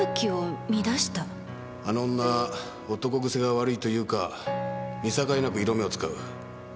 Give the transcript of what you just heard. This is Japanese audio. あの女男癖が悪いというか見境なく色目を使う。